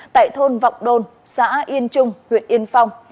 tại thôn vọng đôn xã yên trung huyện yên phong